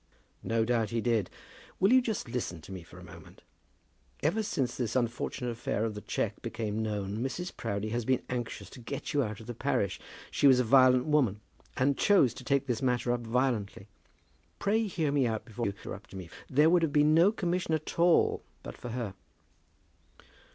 "No doubt he did. Will you just listen to me for a moment? Ever since this unfortunate affair of the cheque became known, Mrs. Proudie has been anxious to get you out of this parish. She was a violent woman, and chose to take this matter up violently. Pray hear me out before you interrupt me. There would have been no commission at all but for her."